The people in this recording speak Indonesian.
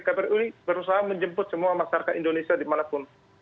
kbri berusaha menjemput semua masyarakat indonesia dimanapun